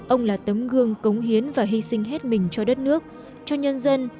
ông là tấm gương cống hiến và hy sinh hết mình cho đất nước cho nhân dân